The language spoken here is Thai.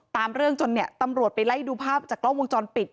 ตามเรื่องจนเนี่ยตำรวจไปไล่ดูภาพจากกล้องวงจรปิด